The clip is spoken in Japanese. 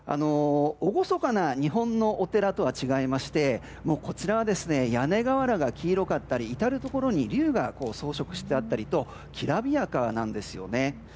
厳かな日本のお寺とは違いましてこちらは屋根瓦が黄色かったり至るところに龍が装飾してあったりときらびやかなんですよね。